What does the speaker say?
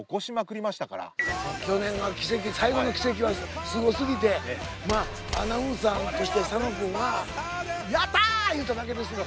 去年が最後の奇跡はすごすぎてアナウンサーとして佐野君は「やったー！」言うただけ。